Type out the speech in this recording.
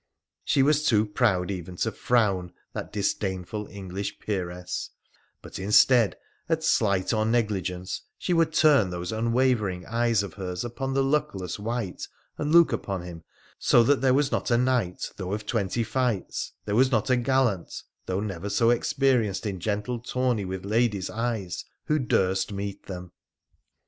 She was too proud even to frown, that disdainful English peeress, but, instead, at slight or negligence she would turn those unwavering eyes of hers upon the luck less wight and look upon him so that there was not a knight, though of twenty fights, there was not a gallant, though never so experienced in gentle tourney with ladies' eyes, who durst meet them.